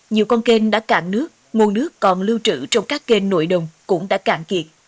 nhiều con kênh đã cạn nước nguồn nước còn lưu trữ trong các kênh nội đồng cũng đã cạn kiệt